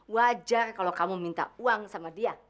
wajar kalau kamu minta uang sama dia